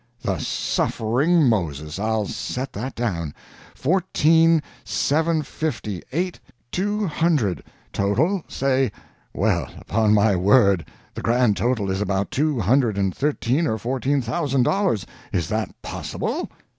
"The suffering Moses! I'll set that down. Fourteen seven fifty eight two hundred. Total, say well, upon my word, the grand total is about two hundred and thirteen or fourteen thousand dollars! Is that possible?"